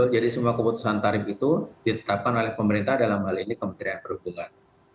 jadi semua keputusan tarif itu ditetapkan oleh pemerintah dalam hal ini kementerian perhubungan